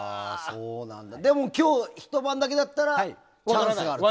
でも今日、ひと晩だけでもチャンスがある？